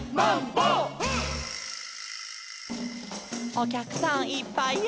「おきゃくさんいっぱいや」